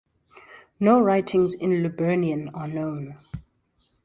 No writings in Liburnian are known.